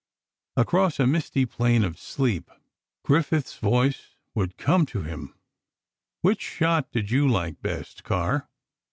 Across a misty plain of sleep, Griffith's voice would come to him: "Which shot do you like best, Carr?"